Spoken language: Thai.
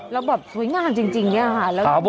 แล้วแบบสวยงามจริงเนี่ยฮะแล้วก็มองไป